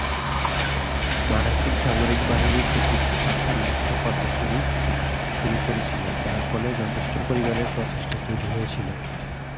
মার্কিন সামরিক বাহিনীর প্রতিটি শাখা নিজস্ব কর্মসূচি শুরু করেছিল, যার ফলে যথেষ্ট পরিমাণে প্রচেষ্টা তৈরি হয়েছিল।